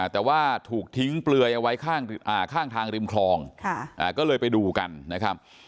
แต่ว่าถูกทิ้งเปลือยเอาไว้ข้างทางริมคลองก็เลยไปดูกันนะครับ